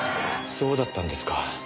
そうだったんですか。